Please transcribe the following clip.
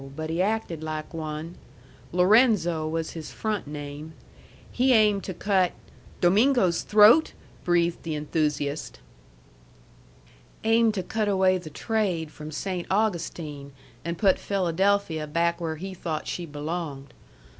But he acted like one. Lorenzo was his front name. He aimed to cut " "Domingo's throat?" breathed the enthusiast. "Aimed to cut away the trade from Saynt Augustine an' put Philadelphia back where he thought she belonged.